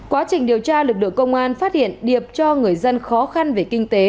quá trình điều tra lực lượng công an phát hiện điệp cho người dân khó khăn về kinh tế